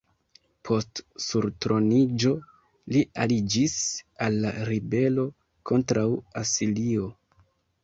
Post surtroniĝo, li aliĝis al la ribelo kontraŭ Asirio.